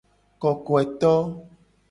Kokoeto.